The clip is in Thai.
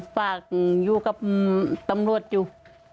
ฝากอยู่กับตำรวจอยู่